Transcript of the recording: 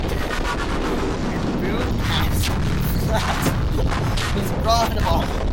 In boom times flax was profitable.